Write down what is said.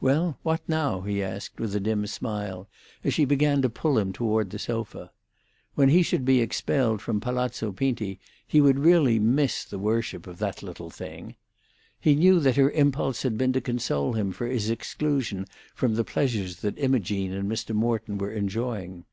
"Well, what now?" he asked, with a dim smile, as she began to pull him toward the sofa. When he should be expelled from Palazzo Pinti he would really miss the worship of that little thing. He knew that her impulse had been to console him for his exclusion from the pleasures that Imogene and Mr. Morton were enjoying.